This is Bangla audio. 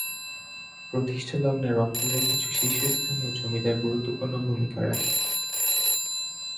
প্রতিষ্ঠা লগ্নে রংপুরের কিছু শীর্ষস্থানীয় জমিদার গুরুত্বপূর্ণ ভূমিকা রাখে।